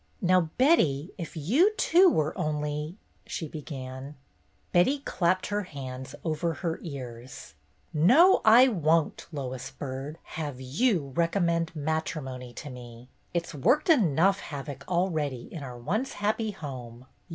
"Now, Betty, if you too were only —" she began. Betty clapped her hands over her ears. " No, I won't, Lois Byrd, have you recom mend matrimony to me. It 's worked enough havoc already in our once happy home.